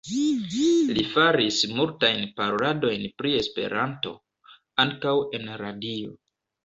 Li faris multajn paroladojn pri Esperanto, ankaŭ en radio.